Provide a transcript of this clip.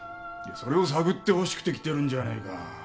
それを探ってほしくて来てるんじゃねえか。